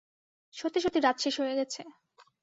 সত্যি-সত্যি রাত শেষ হয়ে গেছে।